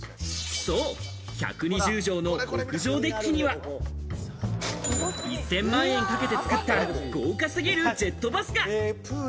１２０畳の屋上デッキには１０００万円かけて作った豪華過ぎるジェットバスが。